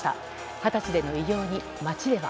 二十歳での偉業に街では。